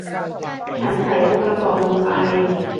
ฉันใส่องค์ประกอบลงไป